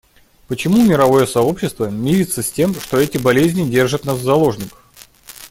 Почему мировое сообщество мирится с тем, что эти болезни держат нас в заложниках?